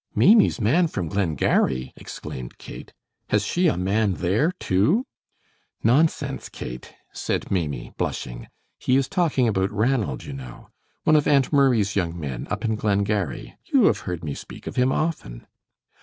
"Maimie's man from Glengarry!" exclaimed Kate. "Has she a man there, too?" "Nonsense, Kate!" said Maimie, blushing. "He is talking about Ranald, you know. One of Aunt Murray's young men, up in Glengarry. You have heard me speak of him often."